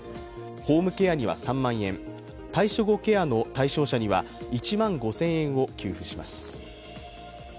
ホームケアには３万円、退所後ケアの対象者には１万５０００円を給付します。